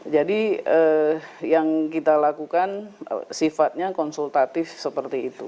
jadi yang kita lakukan sifatnya konsultatif seperti itu